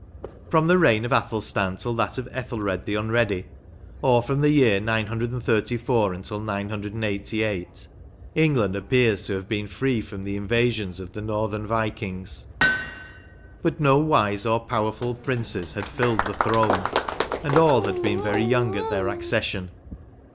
From the reign of Athelstan till that of Ethelred the Unready, or from the year 934 until 988, England appears to have been free from the inva sions of the northern Vikings; but no wise or powerful princes had filled the throne, and all had been very young at their accession.